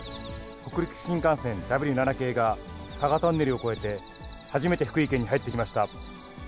北陸新幹線Ｗ７系が、加賀トンネルを越えて、初めて福井県に入ってきました。